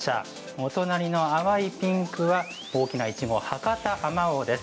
お隣の淡いピンク色は大きないちご「博多あまおう」です。